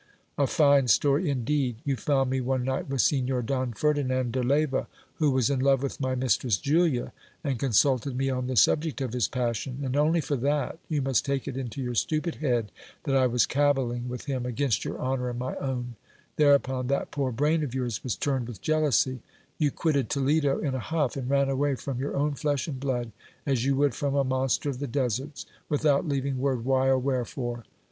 A fine story indeed ! You found me one night with Signor Don Ferdinand de Leyva, who was in love with my mistress Julia, and consulted me on the sub ject of his passion ; and only for that, you must take it into your stupid head, that I was caballing with him against your honour and my own : thereupon that poor brain of yours was turned with jealousy ; you quitted Toledo in a huff, and ran away from your own flesh and blood as you would from a mon 362 GIL BLAS. ster of the deserts, without leaving word why or wherefore.